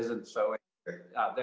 yang tidak begitu